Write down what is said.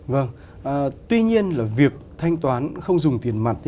vâng tuy nhiên là việc thanh toán không dùng tiền mặt